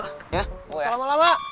salam olah mak